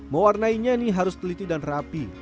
mewarnainya nih harus teliti dan rapi